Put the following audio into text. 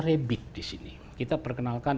rebit disini kita perkenalkan